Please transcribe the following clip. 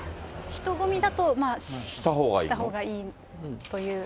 人混みだとした方がいいという。